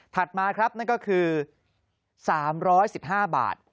มาครับนั่นก็คือ๓๑๕บาท